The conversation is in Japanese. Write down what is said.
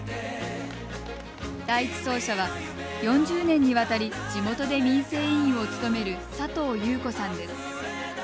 第１走者は、４０年にわたり地元で民生委員を務める佐藤裕子さんです。